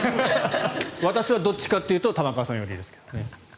私はどっちかというと玉川さん寄りですからね。